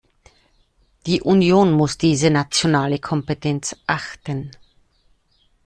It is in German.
Die Union muss diese nationale Kompetenz achten.